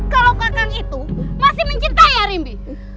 kalau kakang itu masih mencintai arimbi